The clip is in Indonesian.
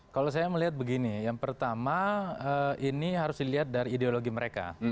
kalau saya melihat begini yang pertama ini harus dilihat dari ideologi mereka